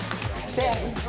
せの！